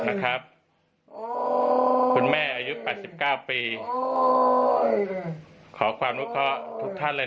นะครับคุณแม่อายุป่าสิบเก้าปีขอความนุคระทุกท่านเลย